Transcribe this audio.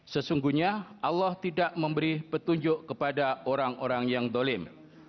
sesungguhnya allah tidak memberi petunjuk kepada orang orang yang dolim